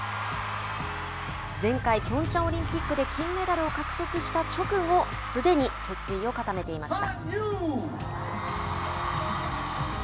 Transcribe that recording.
前回ピョンチャンオリンピックで金メダルを獲得した直後すでに、決意を固めていました。